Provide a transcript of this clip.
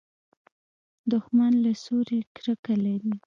دښمن له سولې کرکه لري